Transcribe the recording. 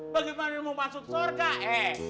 bagaimana mau masuk surga eh